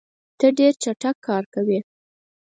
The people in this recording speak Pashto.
ته ډېر چټک کار کوې.